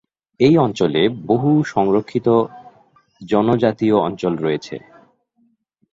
এই অঞ্চলে বহু সংরক্ষিত জনজাতীয় অঞ্চল আছে।